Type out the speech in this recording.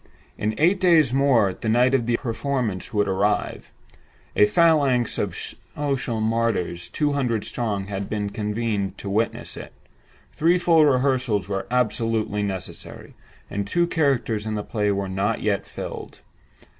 In eight days more the night of performance would arrive; a phalanx of social martyrs two hundred strong had been convened to witness it; three full rehearsals were absolutely necessary; and two characters in the play were not filled yet.